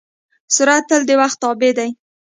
سرعت تل د وخت تابع دی.